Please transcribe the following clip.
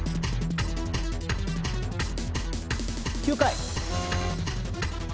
９回。